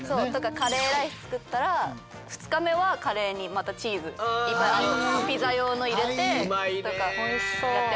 カレーライス作ったら２日目はカレーにまたチーズいっぱいピザ用の入れてとかやってますね。